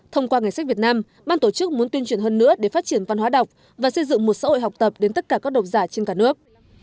thông qua ngày sách việt nam ban tổ chức muốn tuyên truyền hơn nữa để phát triển văn hóa đọc và xây dựng một xã hội học tập đến tất cả các độc giả trên cả nước